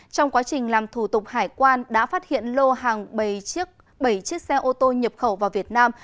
trong quá trình làm thủ tục hải quan đã phát hiện lô hàng bảy chiếc xe ô tô nhập khẩu vào việt nam